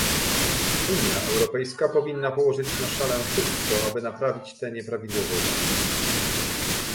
Unia Europejska powinna położyć na szalę wszytko, aby naprawić te nieprawidłowości